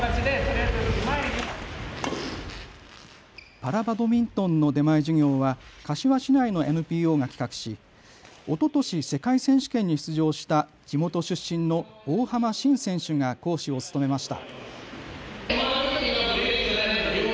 パラバドミントンの出前授業は柏市内のＮＰＯが企画しおととし世界選手権に出場した地元出身の大濱真選手が講師を務めました。